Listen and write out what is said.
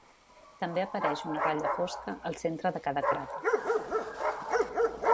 També apareix una ratlla fosca al centre de cada cràter.